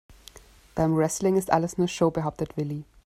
Beim Wrestling ist alles nur Show, behauptet Willi.